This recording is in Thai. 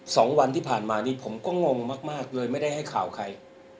สองวันที่ผ่านมานี้ผมก็งงมากมากเลยไม่ได้ให้ข่าวใคร